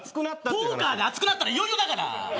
ポーカーで熱くなったらいよいよだから。